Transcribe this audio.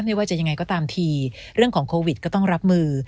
ไม่ว่าจะยังไงก็ตามทีเรื่องของโควิดก็ต้องรับมือ